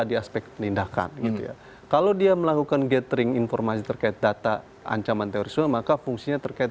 diperlukan kalau dia melakukan gathering informasi terkait data ancaman tersebut maka fungsinya terkait